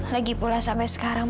lagipula sampai sekarang